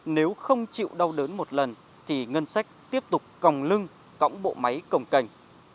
nếu không chịu đau đớn một lần thì ngân sách tiếp tục còng lưng cõng bộ máy còng cảnh